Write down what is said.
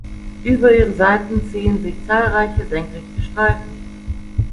Über ihre Seiten ziehen sich zahlreiche senkrechte Streifen.